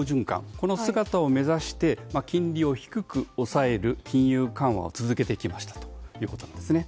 この姿を目指して金利を低く抑える金融緩和を続けてきましたということですね。